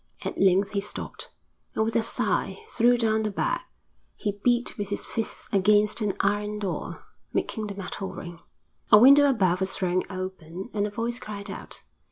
At length he stopped, and with a sigh threw down the bag. He beat with his fists against an iron door, making the metal ring. A window above was thrown open, and a voice cried out.